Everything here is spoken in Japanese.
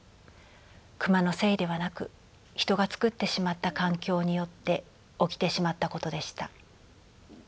クマのせいではなく人が作ってしまった環境によって起きてしまったことでした。